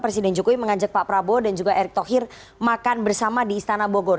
presiden jokowi mengajak pak prabowo dan juga erick thohir makan bersama di istana bogor